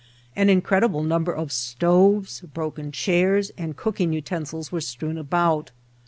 An incredible number of stoves, broken chairs and cooking utensils were strewn about.